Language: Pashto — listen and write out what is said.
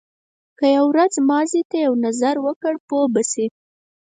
که یو ورځ ماضي ته یو نظر وکړ پوه به شې.